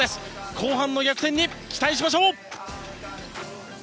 後半の逆転に期待しましょう！